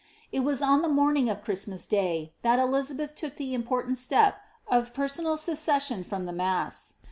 It was on the morning of Christmas Day, that Eliznbeth took the important step of personal se cession from the mass.